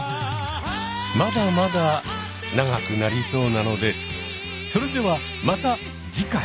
まだまだ長くなりそうなのでそれではまた次回！